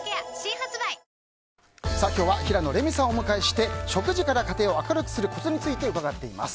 今日は平野レミさんをお迎えして食事から過程を明るくするコツについて伺っています。